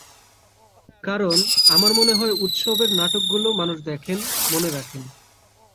কারণ, আমার মনে হয় উৎসবের নাটকগুলো মানুষ দেখেন, মনে রাখেন।